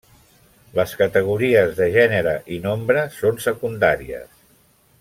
Les categories de gènere i nombre són secundàries.